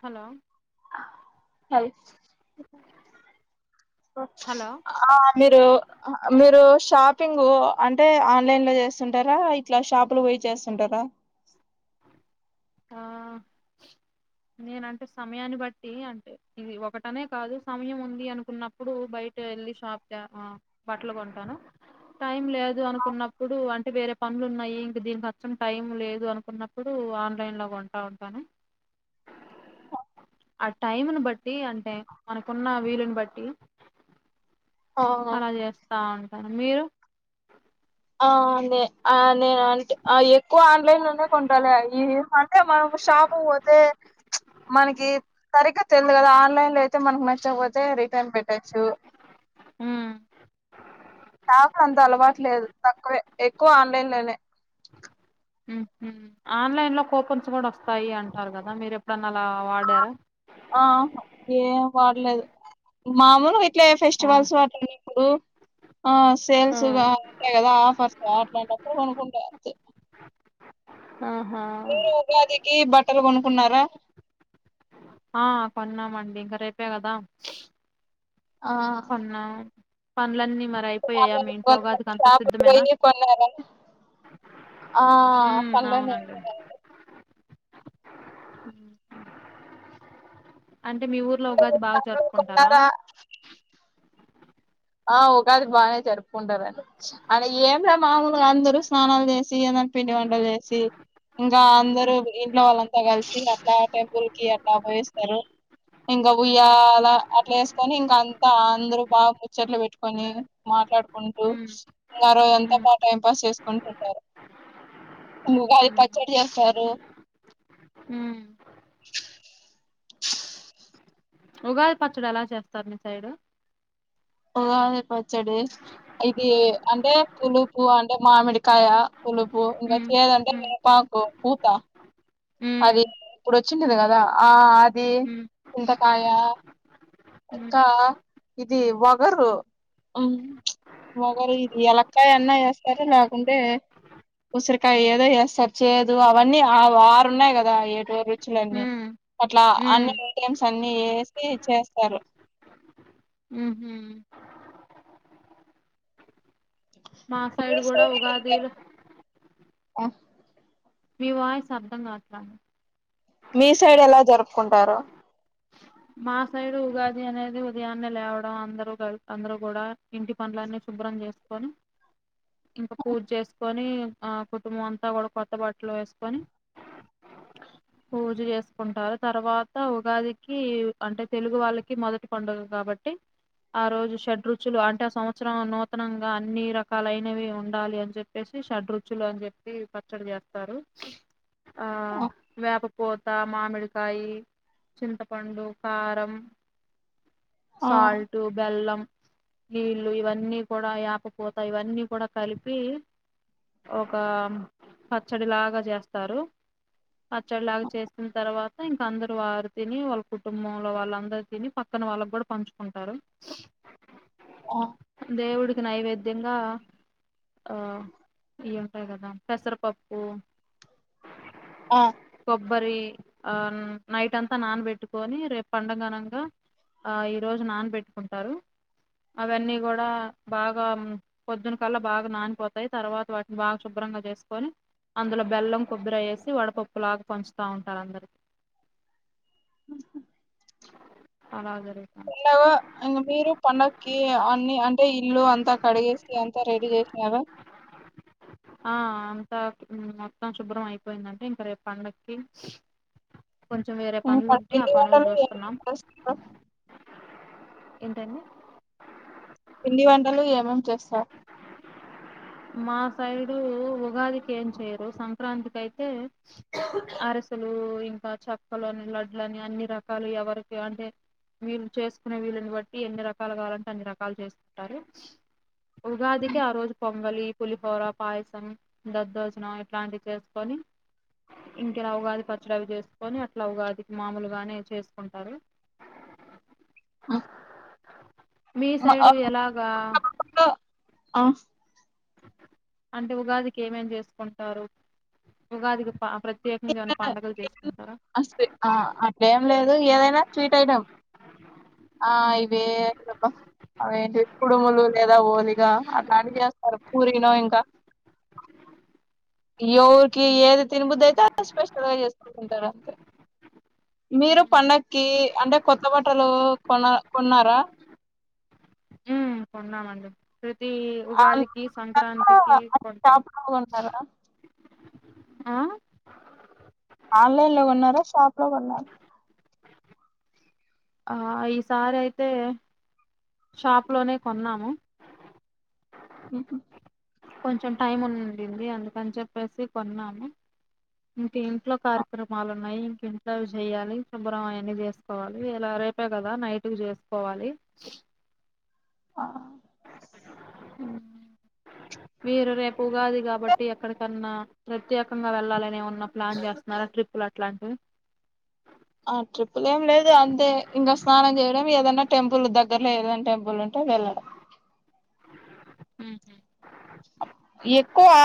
Hello లైఫ్స్ hello ఆ మీరు మీరు షాప్ షాపింగ్ అంటే ఆన్లైన్ లో చేస్తుంటారా ఇట్లా షాపులు పోయి చేస్తుంటారా ఆ నేనంటే సమయాన్ని బట్టి అంటే ఇది ఒకటనే కాదు సమయం ఉంది అనుకున్నప్పుడు బయట వెళ్ళి షాప్ గా ఆ బట్టలు కొట్టాను టైము లేదు అనుకున్నప్పుడు అంటే వేరే పనులు యి ఇంక దీనికి అచ్చం టైం లేదు అనుకున్నప్పుడు ఆన్లైన్ లో కొంటా ఉంటాను ఆ టైమును బట్టి అంటే మనకున్న వీలుని బట్టి ఆ అలా చేస్తా ఉంటారు మీరు ఆ నేను అంటే ఎక్కువ ఆన్లైన్ లో నే కొంటా అంటే మన షాప్ పోతే మనకి సరిగగా తెలిదు కదా ఆన్లైన్ లో అయితే మనకు నచ్చ ఇచ్చిపోతే రిటర్న్ పెట్టచ్చు ఉమ్ నాకు అంత అలవాటు లేదు తక్కువే ఎక్కువ ఆన్లైన్ లోనే ఆన్లైన్ లో కూపన్స్ కూడా వస్తాయి అంటారు కదా మీరు ఎప్పుడన్నా అలా వాడారా ఆ ఏం వాడలేదు మామూలు ఇంట్లో ఆ ఫెస్టివల్స్ వాటి ఇప్పుడు ఆ ఆ సేల్స్గా ఉంటాయి కదా ఆఫర్స్ అట్లాంటిప్పుడు కొనుకుంట ఆహా మీరు ఉగాదికి బట్టలు కొనుకున్నారా ఆ కొన్నామండి ఇంకా రేపే కదా కొన్నా పనులన్నీ మరి అయిపోయాయా మీ ఇంట్లో ఉగాదికి అంతా సప సిద్ధమేనా వెయ పన్నార [inaudible] ఆ ఉమ్ పనులు అన్ని అవునండి అయిపోయినాయి ఉమ్. అంటే మీ ఊర్లో ఉగాది బాగా బట్టలు జరుపుకుంటారా కొన్నారా? ఆ ఉగాది బానే జరుపుకుంటారండి అడా ఏమి లే మామూలుగా అందరూ స్నానాలు చేసి ఏ పిండి వంటలు చేసి ఇంకా అందరు ఉమ్ ఇంట్లో వాళ్ళంతా కలిసి అట్లా టెంపుల్ కి అట్లా పోయివస్తారు ఇంకా ఉమ్ ఉయ్యాల అట్లా వేసుకని ఇంక అంత అందరు బాగా చెట్లు పెట్టుకని మాట్లాడుకుంటూ ఉమ్ ఇంగ ఆ రోజు అంత ఉమ్ బాగా టైం పాస్ చే కుంటుంటారు ఉగాది ఉమ్ పచ్చడి చేస్తారు ఉమ్. ఉగాది పచ్చడి ఎలా చేస్తారు మీ సైడు ఉగాది పచ్చడి ఇది అంటే పులుపు అంటే మామిడికాయ పులుపు ఇంకా ఉమ్ చేదు అంటే ఉమ్ వేపకు పూతా ఉమ్ అది ఇప్పుడు వచ్చిండది కదా ఆ అది ఉమ్ చింతకాయ ఉమ్ ఇంకా ఇది వగరు ఉమ్ వగరు ఇది ఎలకాయ అన్నా వేస్తారు లేకుంటే ఉసిరికాయ ఏదో చేస్తారు చేదు అవన్నీ ఆ ఆరు ఉన్నాయి కదా ఏడురు రుచులన్నీ ఉమ్ అట్లా ఉమ్ అన్ని ఐటమ్స్ అన్ని వేసి చేస్తారు ఉమ్ ఉమ్ మా సైడ్ కూడా ఉగాదిలు ఆ మీ వాయిస్ అర్థం కావట్ల మీ సైడ్ ఎలా జరుపుకుంటారు మా సైడ్ ఉగాది అనేది ఉదయాన్నే లేవడం అందరుూ అందరు కూడా ఇంటి పనులన్నీ చ శుభ్రం చేసుకొని ఇంకా పూజ చేసుకొని ఆ కుటుంబం అంతా కూడా కొత్త బట్టలు వేసుకొని పూజ చేసుకుంటారు తర్వాత ఉగాదికి అంటే తెలుగు వాళ్ళకి మొదటి పండుగ కాబట్టి ఆ రోజు షర్ట్ రుచులు అంటే ఆ సంవత్సరం నంగా అన్ని రకాలైనవి ఉండాలి అని చెప్పేసి షడ్రుచులు అని చెప్పి చేస్తారు ఆ వేప పూత మామిడికాయ చింతపండు కారం ఆ సాల్ట్ బెల్లం నీళ్ళు ఇవన్నీ కూడా వేపపూతా ఇవన్నీ కూడా కలిపి ఒక పచ్చడిలాగా చేస్తారు పచ్చడిలాగా చేసిన తర్వాత ఇంక అందరు వారు తిని వాళ్ళు కు టుంబంలో వాళ్ళందరు తిని పక్కన వాళ్ళకి కూడా పంచుకుంటారు ఆ దేవుడికి నైవేద్యంగా ఆ ఏ ట్టాయ్ కదా పెసరపప్పు ఆ బరి ఆ నైట్ అంతా నాన్ బెట్ కోని రేపు పండగనంగా ఆ ఈ రోజు నానబెట్టుకుంటారు అవన్నీ కూడా బాగా పొద్దున్న కల్లా బాగా నానిపోతాయ్ తర్వాత వాటిని బాగా శుభ్ర బ్రాంగా చేసుకొని అందులో బెల్లం కొబ్బర ఏసి వడపప్పు లాగా పంచుతా ఉంటారు అందరికి అలా జరుగుత లో ఇంగ మీరు పండగకి అన్ని అంటే ఇల్లు అంతా కడిగేసి అంత రెడీ చేసినరా ఆ ఆ ఆ హు మొత్తం శుభ్రం అయిపోయిందండి ఇంకా రేపు పండక్కి కొంచెం వేరే పనులు ఉంటే ఆ పనులు చూస్ స్త ఏంటండి జెస్స మా సైడు ఉగాదికి ఏం చేయరు సంక్రాంతికి అయితే అరిసలు కు ఇంకా చెక్కలు అని లడ్ల అని అన్ని రకాలు ఎవరికి అంటే వీళ్ళు చేసుకునే వీళ్ళని బట్టి ఎన్ని రకాలు కావాలంటే అన్ని రకాలు చేసుకుంటారు ఉగాదికి ఆ రోజు పొంగలి పులిహోర పాయసం దద్దోజనం ఇట్లాంటివి చేసుకొని ఇంకెలా ఉగాది పచ్చడి అవి చేసుకొని అట్లా ఉగాదికి మామూలుగానే చేసుకుంటారు మీ సైడు ఎలాగా ఆ అంటే ఉగాదికి ఏమేం చేసుకుంటారు ఉగాదికి ప వ ప్రత్యేకంగా ఏమైనా పండుగలు చేసుకుంటారా అట్ల ఏం లేదు ఏదైనా స్వీట్ ఐటెం ఆ ఉమ్ ఇవే అవేంటి కుడుములు లేదా ఓలిగా అట్లాంటి చేస్తారు పురిలో ఇంకా ఎవరికి ఏది తిినబుద్దయితే అది స్పెషల్ గా చేసుకుం తింటారా మీరు పండక్కి అంటే కొత్త బట్టలు కొన కొన్నారా హు కొన్నామండి ప్రతి ఆన్ ఉగాదికి సంక్రాంతికి కొంటం షాప్ లో కొన్నారా ఆ ఆన్లైన్ లో కొన్నారా షాప్ లో కొన్నా ఆ ఈసారైతే షాప్ లోనే కొన్నాము అహ కొంచెం టైం ఉండింది అందుకని చెప్పేసి కొన్నాము హు తింట్లో కార్యక్రమాలు ఉన్నాయి ఇంట్లో చెయ్యాలి శుభ్రం అవన్నీ చేసుకోవాలి ఇలా రేపె కదా నైట్ కు చేసుకోవాలి ఆ మీరు రేపు ఉగాది కాబట్టి ఎక్కడికన్నా ప్రత్యేకంగా వెళ్ళాలని ఏమన్నా ప్లాన్ చేస్తున్నారా ట్రిప్పులు అట్లాంటివి ఆ ట్రిప్పులు ఏం లేదు అంతే ఇంగ స్నానం చేయడం ఏదన్నా టెంపుల్ దగ్గరలో ఏదైన టెంపుల్ ఉంటే వెళ్లడ మ్ హు అ ఎక్కువా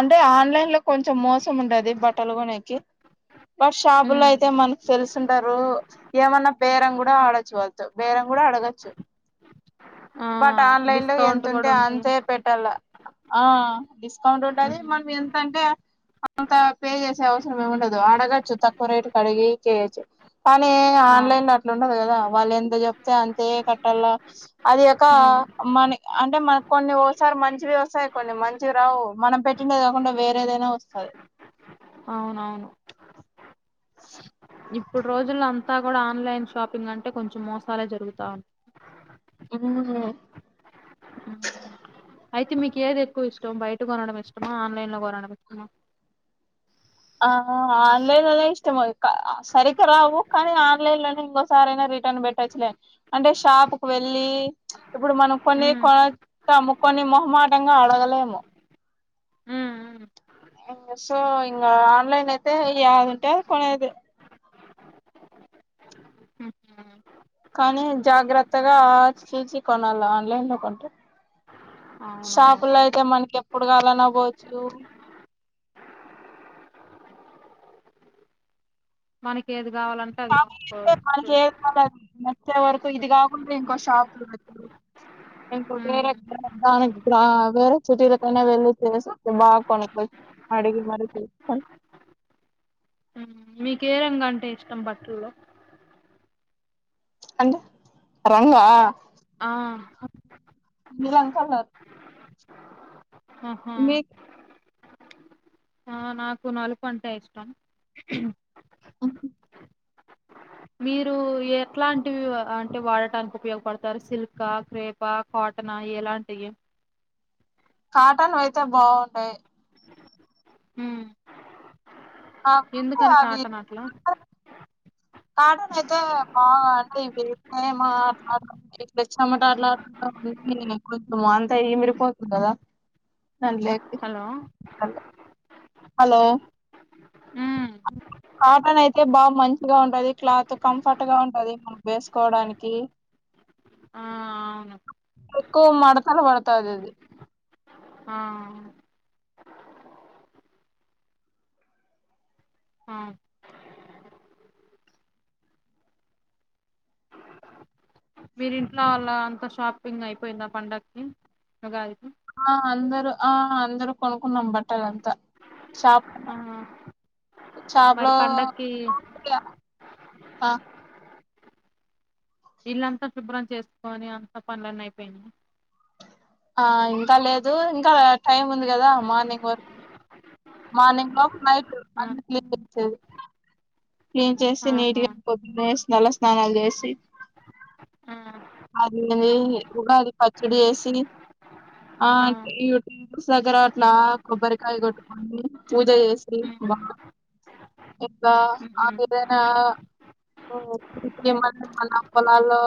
అంటే ఆన్లైన్ లో కొంచెం మోసం ఉంటాది బట్టలు కొనేకి వాడు షాపు లో ఉమ్, అయితే మనకి తెలిసి ఉంటారు. ఏమన్నా బేరం కూడా ఆడొచ్చు వాల్ తో బేరం కూడా అడగచ్చు ఆ బట్ ఆన్లైన్ లో ఎంత డిస్కౌంట్ కూడా ఉంటే ఉంటాయి అంతే పెట్టల్ల ఆ డిస్కౌంట్ ఉంటది మనం ఎంతంటే అంత పే చేసే అవసరం ఏమి ఉండదు అడగచ్చు తక్కువ రేటుకి అడిగి చెయ్యొచ్చు కానీ ఆ ఆన్లైన్ లో అట్లా ఉండదు కదా వాళ్ళు ఎంత చెప్తే అంతే కట్టల్ల అది కాక ఆ మని అంటే మనకి కొన్ని ఓసారి మంచివే వస్తాయి కొని మంచివి రావు మనం పెట్టిండేది కాకుండా వేరేదైనా వస్తాది అవునవును ఇప్పుడు రోజుల్లో అంతా కూడా ఆన్లైన్ షాపింగ్ అంటే కొంచెం మోసాలే జరుగుతా ఉన్ ఊ అయితే మీకు ఏది ఎక్కువ ఇష్టం బయట కొనడం ఇష్టమా ఆన్లైన్ లో కొనడం ఇష్టమా ఆ ఆన్లైన్ లోనే ఇష్టం మో ఆ క సరిక రావు కానీ ఆన్లైన్ లోనే ఇంకో సారైనా రిటర్న్ పెట్టొచ్చులే అంటే షాప్ కు వెళ్ళి ఇప్పుడు మనం కొన్ని ఉమ్, కొతాము కొన్ని మొహమాటంగా అడగలేము ఉమ్, ఉమ్. ఇంక సో ఇంగ ఆన్లైన్ అయితే యాది ఉంటే అది కొనేది ఉహుం. కానీ జాగ్రత్తగా ఆచిచి కొనాల ఆన్లైన్ లో కొంటే అవునవును షాపుల్లో అయితే మనకి ఎప్పుడు కావాలన్నా పోవచ్చు మనకి ఏది కావాలంటే అది కొనుక్కోవచ్చు [unintelligible] మనకి చూసి. ఏది కావాలో అది తే వరకు ఇది కాకుండా ఇంకో షాప్ లు వెతులు ఇంకో ఉమ్ వేరే దానికి బ్రా వేరే చిటీలకైనా వెళ్ళి చేస్తే బా కొనుక్కోవచ్చు అడిగి మరి ఉ మీకే రంగు అంటే ఇష్టం బట్టల్లో అండి రంగా ఆ నీలం కలర్ ఆహా మీకు ఆ నాకు నలుపు అంటే ఇష్టం ఉహు ఆహా మీరు ఎట్లాంటివి అంటే వాడటానికి ఉపయోగపడతారు సిల్క్ ఆ క్రేప్ ఆ కా టన ఎలాంటివి కాటన్ వైతే బాగుండాయి ఉమ్ ఆ కు కు ఎందుకని అలని కాటన్ అట్లా కాటన్ అయితే బా అంటే మా [unintelligible] చెమట అట్లా అంతా కుంతి కొంచెము అంత ఈమెరిపోతుంది కదా తన లేకు హలో హా హలో ఉమ్ అ కాటన్ అయితే బా మంచిగా ఉంటది క్లాత్ కంఫర్ట్ గా ఉంటది మనం వేసుకోవడానికి ఆ అవును ఎక్కువ మడతలు పడతాది అది ఆ ఆ వీరి ఇంట్లో వాళ్ళ అంత షాపింగ్ అయిపోయింద పండక్కి ఉగాది కి ఆ అందరు ఆ అందరు కొనుకున్నాం బట్టలు అంతా షాప్ లోనే ఆ షాప్ లో మరి పండక్కి [unintelligible] హా ఇల్లంత శుభ్రం చేసుకొని అంత పనులన్నీ అయిపోయినాయి ఆ ఇంకా లేదు ఇంకా ఆ టైం ఉంది కదా మార్నింగ్ వరకు మార్నింగ్ లోపు నైట్ ఆ అంత క్లీన్ చేసిది క్లీన్ చేసి నీట్ ఆహా గా పొద్దున లేసి మల్ల స్నానాలు చేసి అదేలే ఉగాది పచ్చడి వేసి ఆ [unintelligible] దగ్గర అట్లా కొబ్బరికాయ కొట్టుకని పూజ చేసి ఇంకా ఆ ఉహు విదనా ఇగా [unintelligible] పొలాల్లో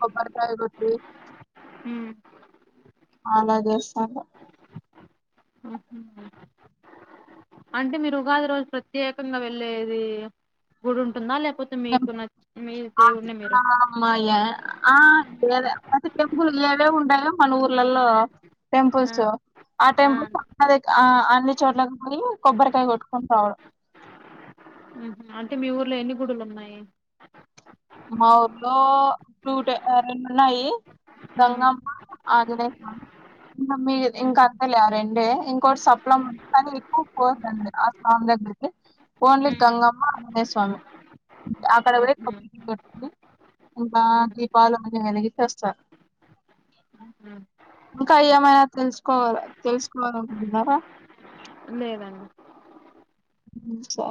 కొబ్బరికాయ కొట్టి ఉమ్మ్ అలా చేస్తాను ఉహు అంటే మీరు ఉగాది రోజు ప్రత్యేకంగా వెళ్ళేది గుడి ఉంటుందా లేకపోతే లేకపోతే మీకు [unintelligible] మి దేవున్నే మీరు అమ్మాయ ఆ అతే టెంపుల్ ఏవే ఉంటాయో మన ఊర్లలో ఆ టెంపుల్స్ ఆ టైమ్ లో అ అన్ని చోట్ల పోయి కొబ్బరికాయ కొట్టుకుంటాడు హ అంటే మీ ఊర్లో ఎన్ని గుడులు ఉన్నాయి మా ఊర్లో నూటరెండున్నాయి ఉమ్ గంగమ్మ ఆంజనేయస్వామి ఇకా మీ ఉమ్ ఇంకా అంత లే రెండె ఇంకోటి సప్లం కాని ఎక్కువ పోందండి ఆ స్లామ్ దగ్గర ఓన్లీ గంగమ్మ ఆంజనేయ స్వామి అక్కడ కూడా ఉమ్ ఎప్పుడు ఇంకా ఉహు దీపాళ వెలిగి చేస్తారు ఉహు ఇంకా ఏమైనా తెలుసుకోవాల తెలుసుకోవాలంటున్నారా లేదండి సరే